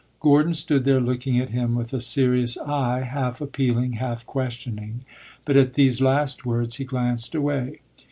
Gordon stood there looking at him with a serious eye, half appealing, half questioning; but at these last words he glanced away.